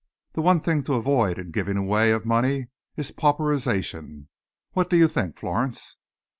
The one thing to avoid in the giving away of money is pauperisation. What do you think, Florence?"